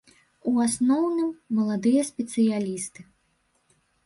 У асноўным, маладыя спецыялісты.